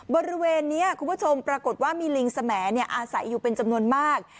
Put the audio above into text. บริเวณนี้คุณผู้ชมปรากฏว่ามีลิงสแหมดอาศัยอยู่เป็นจำนวนมาก